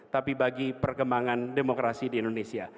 tapi bagi perkembangan demokrasi di indonesia